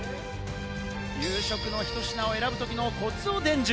夕食のひと品を選ぶときのコツを伝授。